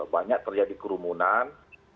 banyak terjadi kerumunan